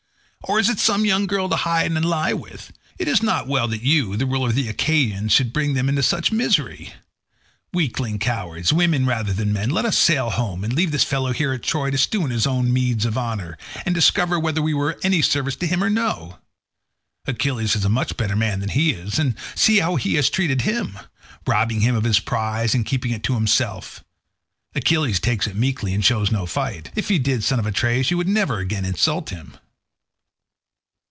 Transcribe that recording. or is it some young girl to hide and lie with? It is not well that you, the ruler of the Achaeans, should bring them into such misery. Weakling cowards, women rather than men, let us sail home, and leave this fellow here at Troy to stew in his own meeds of honour, and discover whether we were of any service to him or no. Achilles is a much better man than he is, and see how he has treated him—robbing him of his prize and keeping it himself. Achilles takes it meekly and shows no fight; if he did, son of Atreus, you would never again insult him."